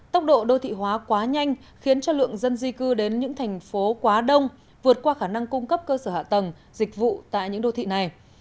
tốc độ đô thị hóa quá nhanh khiến cho lượng dân di cư đến những thành phố quá đông vượt qua khả năng cung cấp cơ sở hạ tầng dịch vụ tại những đô thị này